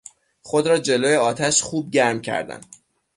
خود را جلو آتش خوب گرم کردن